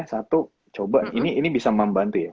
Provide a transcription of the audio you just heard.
satu coba ini bisa membantu ya